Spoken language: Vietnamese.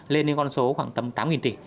lên đến con số khoảng tầm tám tỷ